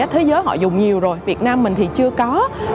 thế giới họ dùng nhiều rồi việt nam mình thì chưa có